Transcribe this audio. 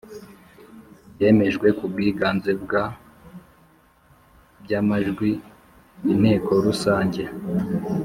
Byemejwe ku bwiganze bwa by amajwi Inteko Rusange